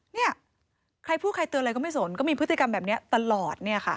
เนี่ยใครพูดใครเตือนอะไรก็ไม่สนก็มีพฤติกรรมแบบนี้ตลอดเนี่ยค่ะ